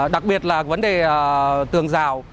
đặc biệt là vấn đề tường rào